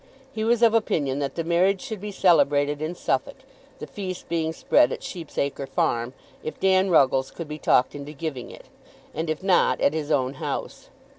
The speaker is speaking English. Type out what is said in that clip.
He was of opinion that the marriage should be celebrated in Suffolk, the feast being spread at Sheep's Acre farm, if Dan Ruggles could be talked into giving it, and if not, at his own house.